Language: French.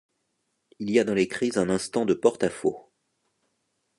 Il y a dans les crises un instant de porte-à-faux.